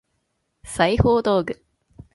裁縫道具